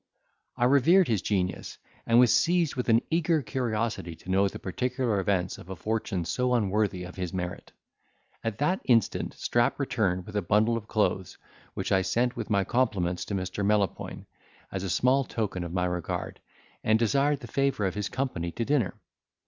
I revered his genius, and was seized with an eager curiosity to know the particular events of a fortune so unworthy of his merit. At that instant Strap returned with a bundle of clothes, which I sent with my compliments to Mr. Melopoyn, as a small token of my regard, and desired the favour of his company to dinner.